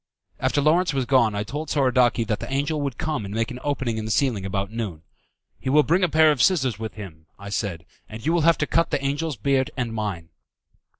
After Lawrence was gone I told Soradaci that the angel would come and make an opening in the ceiling about noon. "He will bring a pair of scissors with him," I said, "and you will have to cut the angel's beard and mine."